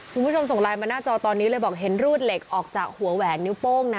คุณผู้ชมส่งไลน์มาหน้าจอตอนนี้เลยบอกเห็นรูดเหล็กออกจากหัวแหวนนิ้วโป้งนะ